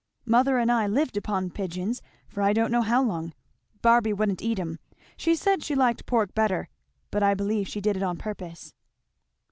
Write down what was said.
Mother and I lived upon pigeons for I don't know how long. Barby wouldn't eat 'em she said she liked pork better; but I believe she did it on purpose."